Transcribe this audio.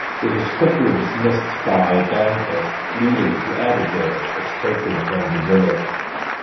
This is quickly dismissed by Danforth, leading to Abigail escaping from the village.